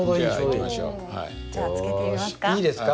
じゃあつけてみますか？